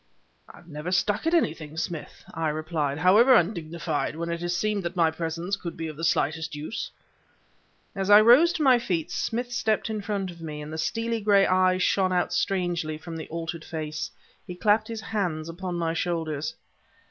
"I've never stuck at anything, Smith," I replied, "however undignified, when it has seemed that my presence could be of the slightest use." As I rose to my feet, Smith stepped in front of me, and the steely gray eyes shone out strangely from the altered face. He clapped his hands upon my shoulders.